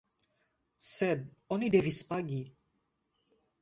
Sed oni devis pagi.